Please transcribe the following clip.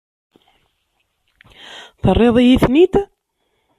Terriḍ-iyi-ten-id?